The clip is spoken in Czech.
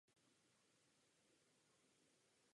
Ten byl jediným vládcem v rakouských zemích.